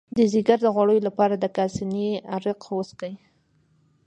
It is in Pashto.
د ځیګر د غوړ لپاره د کاسني عرق وڅښئ